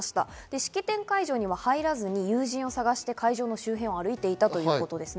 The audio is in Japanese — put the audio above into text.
式典会場には入らず友人を探して、会場の周辺を歩いていたということです。